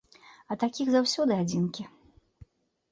А такіх заўсёды адзінкі.